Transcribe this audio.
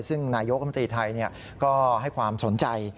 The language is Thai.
ซึ่งนายกรมตรีไทยก็ให้ความสนใจ